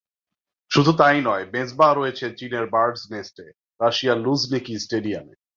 শুধু তা-ই নয়, মেজবাহ দৌড়েছেন চীনের বার্ডস নেস্টে, রাশিয়ার লুঝনিকি স্টেডিয়ামে।